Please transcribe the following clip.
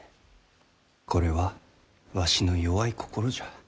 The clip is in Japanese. これはわしの弱い心じゃ。